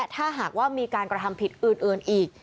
ถ้าหากมีการผิดอื่นอีก